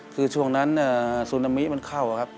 คือช่วงนั้นซูนามิมันเข้าครับ